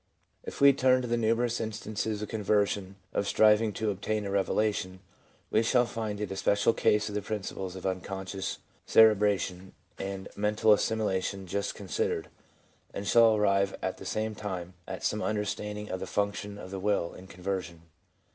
If we turn to the numerous instances in conversion of striving to obtain a revelation, we shall find it a special case of the principles of ' unconscious cerebration ' and mental assimilation just considered, and shall arrive at the same time at some understanding of the function of the will in conversion.